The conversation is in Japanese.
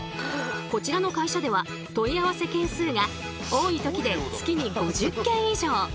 こちらの会社では問い合わせ件数が多い時で月に５０件以上。